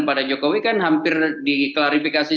pada jokowi kan hampir diklarifikasi